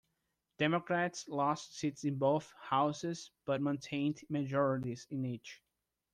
Democrats lost seats in both houses but maintained majorities in each.